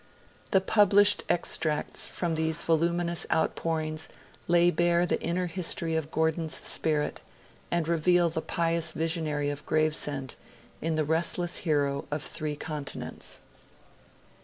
The published extracts from these voluminous outpourings lay bare the inner history of Gordon's spirit, and reveal the pious visionary of Gravesend in the restless hero of three continents.